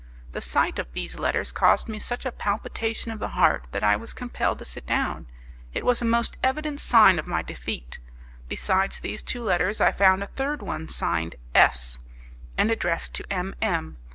The sight of these letters caused me such a palpitation of the heart that I was compelled to sit down: it was a most evident sign of my defeat. Besides these two letters I found a third one signed "S." and addressed to M M